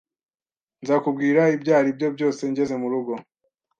Nzakubwira ibyaribyo byose ngeze murugo